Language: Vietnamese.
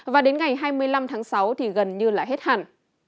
và đến ngày hai mươi năm tháng sáu thì gần như là hết hẳn